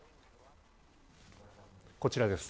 こちらです。